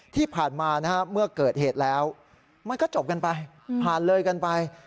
ที่ผ่านมาเมื่อเกิดเหตุแล้วมันก็จบกันไปผ่านเลยกันไป